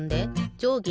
じょうぎ２